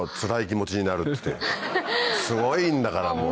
すごいんだからもう。